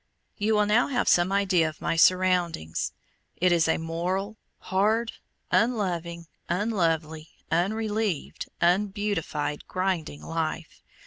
You will now have some idea of my surroundings. It is a moral, hard, unloving, unlovely, unrelieved, unbeautified, grinding life.